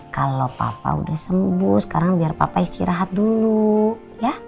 kalau papa udah sembuh sekarang biar papa istirahat dulu ya